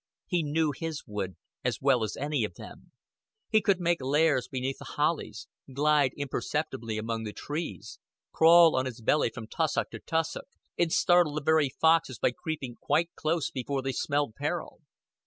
He knew his wood as well as any of them. He could make lairs beneath the hollies, glide imperceptibly among the trees, crawl on his belly from tussock to tussock, and startle the very foxes by creeping quite close before they smelled peril.